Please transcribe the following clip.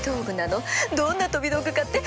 どんな飛び道具かって？